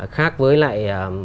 khác với lại